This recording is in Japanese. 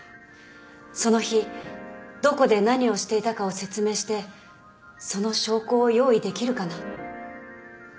その日どこで何をしていたかを説明してその証拠を用意できるかな？